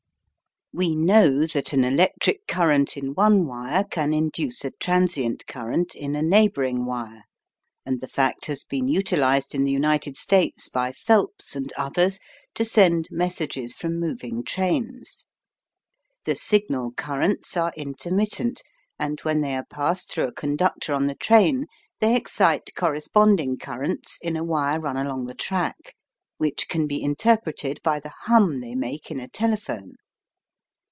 We know that an electric current in one wire can induce a transient current in a neighbouring wire, and the fact has been utilised in the United States by Phelps and others to send messages from moving trains. The signal currents are intermittent, and when they are passed through a conductor on the train they excite corresponding currents in a wire run along the track, which can be interpreted by the hum they make in a telephone.